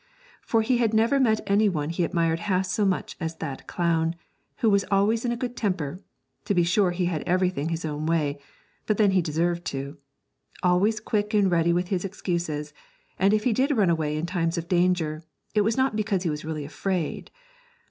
For he had never met anyone he admired half so much as that clown, who was always in a good temper (to be sure he had everything his own way but then he deserved to), always quick and ready with his excuses; and if he did run away in times of danger, it was not because he was really afraid!